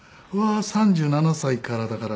３７歳からだから。